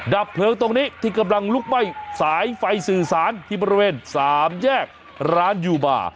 ดับเพลิงตรงนี้ที่กำลังลุกไหม้สายไฟสื่อสารที่บริเวณสามแยกร้านยูบา